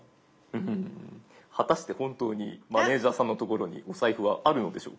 フフ果たして本当にマネージャーさんのところにお財布はあるのでしょうか。